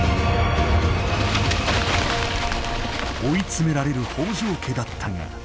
追い詰められる北条家だったが。